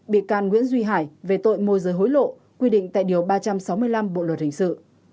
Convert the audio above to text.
bị can nguyễn duy hải về tội môi giới hối lộ quy định tại điều ba trăm sáu mươi năm bộ luật hình sự